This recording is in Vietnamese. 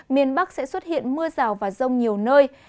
miền bắc sẽ xuất hiện mưa rào và rông nhiều nơi